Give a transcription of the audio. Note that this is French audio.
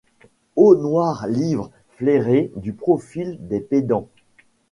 O noirs livres flairés du profil des pédants